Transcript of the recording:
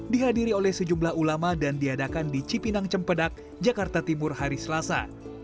dihadiri oleh sejumlah ulama dan diadakan di cipinang cempedak jakarta timur hari selasa